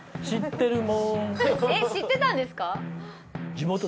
知ってたんですか？